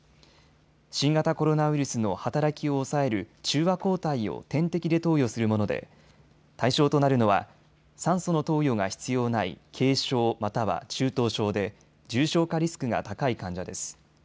新型コロナウイルスの働きを抑える中和抗体を点滴で投与するもので対象となるのは酸素の投与が必要ない軽症または中等症で重症化リスクが高い患者です。